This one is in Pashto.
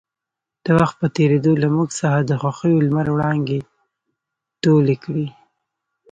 د وخـت پـه تېـرېدو لـه مـوږ څـخـه د خـوښـيو لمـر وړانـګې تـولې کـړې.